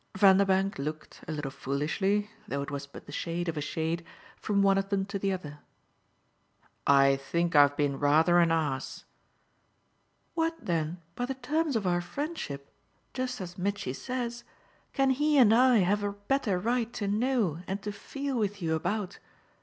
Vanderbank looked a little foolishly, though it was but the shade of a shade, from one of them to the other. "I think I've been rather an ass!" "What then by the terms of our friendship just as Mitchy says can he and I have a better right to know and to feel with you about?